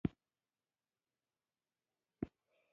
هماغه و چې صدک د هوښيار سړي په وينا عمل وکړ.